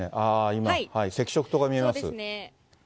今、赤色灯が見えます。